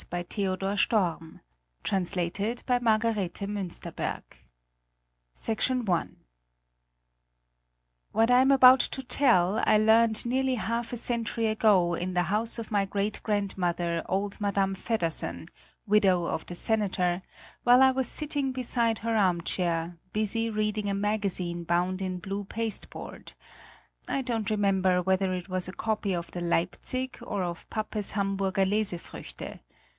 From "Studien zur Litteratur der Gegenwart" (1895). THE RIDER ON THE WHITE HORSE What I am about to tell I learned nearly half a century ago in the house of my great grandmother, old Madame Fedderson, widow of the senator, while I was sitting beside her armchair, busy reading a magazine bound in blue pasteboard I don't remember whether it was a copy of the "Leipzig" or of "Pappes Hamburger Lesefrüchte."